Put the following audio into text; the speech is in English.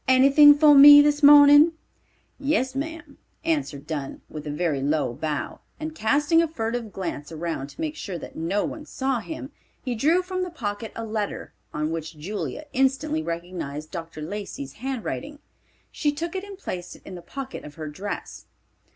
"Anything for me this morning?" "Yes, ma'am," answered Dunn, with a very low bow; and casting a furtive glance around to make sure that no one saw him, he drew from his pocket a letter, on which Julia instantly recognized Dr. Lacey's handwriting. She took it and placed it in the pocket of her dress.